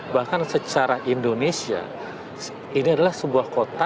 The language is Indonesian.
bahkan secara indonesia ini adalah sebuah kota